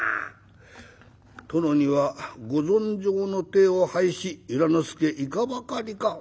「殿にはご存生の態を拝し由良之助いかばかりか」。